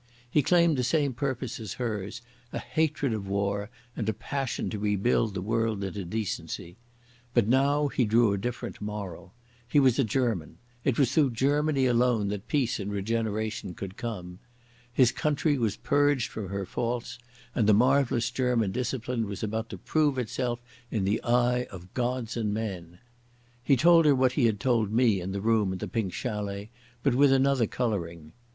He claimed the same purpose as hers, a hatred of war and a passion to rebuild the world into decency. But now he drew a different moral. He was a German: it was through Germany alone that peace and regeneration could come. His country was purged from her faults, and the marvellous German discipline was about to prove itself in the eye of gods and men. He told her what he had told me in the room at the Pink Chalet, but with another colouring.